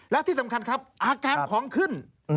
และที่สำคัญครับอาการของขึ้น